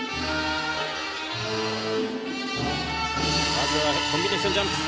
まずはコンビネーションジャンプ。